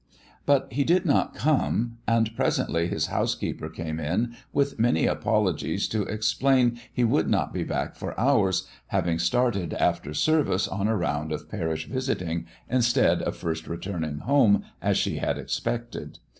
But he did not come, and presently his housekeeper came in with many apologies to explain he would not be back for hours, having started after service on a round of parish visiting instead of first returning home, as she had expected.